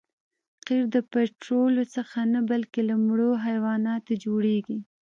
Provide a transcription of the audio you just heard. قیر د پطرولو څخه نه بلکې له مړو حیواناتو جوړیږي